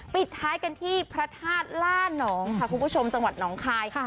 ปิดท้ายกันที่พระธาตุล่านองค่ะคุณผู้ชมจังหวัดหนองคายค่ะ